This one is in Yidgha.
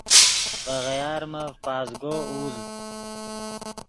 ڤے غیارمف پزگو اوزد